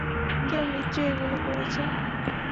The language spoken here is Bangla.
কেউ নিশ্চয়ই এগুলো করেছে।